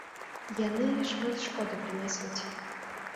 Яны шмат шкоды прынясуць.